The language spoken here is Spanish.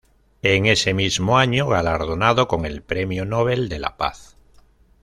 En ese mismo año galardonado con el premio Nobel de la Paz.